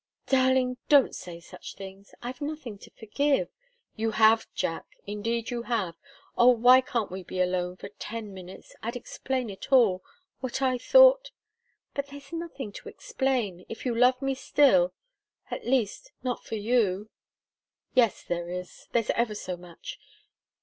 "Darling don't say such things! I've nothing to forgive " "You have, Jack! Indeed, you have oh! why can't we be alone for ten minutes I'd explain it all what I thought " "But there's nothing to explain, if you love me still at least, not for you." "Yes, there is. There's ever so much.